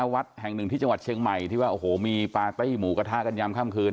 วัดแห่งหนึ่งที่จังหวัดเชียงใหม่ที่ว่าโอ้โหมีปาร์ตี้หมูกระทะกันยามค่ำคืน